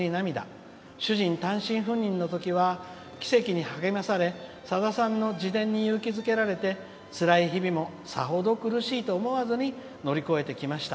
主人が単身赴任のときは「奇跡」に励まされさださんの自伝に勇気づけられてつらい日々もさほどつらいと思わずに乗り越えてきました。